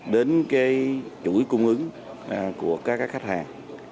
đến cái chuỗi cung ứng của các khách hàng